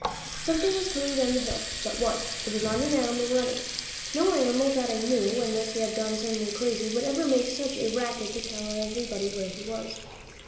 Something was coming down the hill; but what? It was not an animal running. No animal that I knew, unless he had gone suddenly crazy, would ever make such a racket to tell everybody where he was.